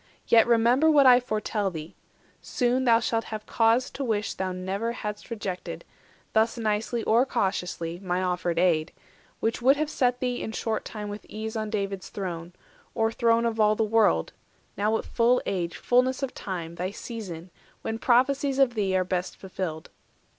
Yet remember What I foretell thee; soon thou shalt have cause To wish thou never hadst rejected, thus Nicely or cautiously, my offered aid, Which would have set thee in short time with ease On David's throne, or throne of all the world, Now at full age, fulness of time, thy season, 380 When prophecies of thee are best fulfilled.